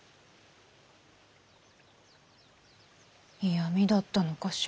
嫌みだったのかしら私。